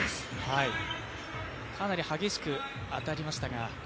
かなり激しく当たりましたが。